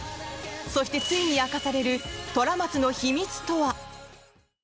そして、ついに明かされる虎松の秘密とは。